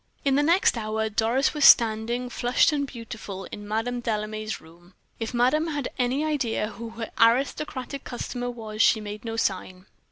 In the next hour Doris was standing, flushed and beautiful, in Madame Delame's room. If madame had any idea who her aristocratic customer was she made no sign.